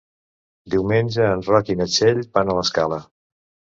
Diumenge en Roc i na Txell van a l'Escala.